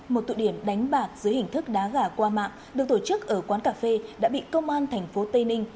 một tụ điểm đánh bạc dưới hình thức đá gà qua mạng được tổ chức ở quán cà phê đã bị công an tp tây ninh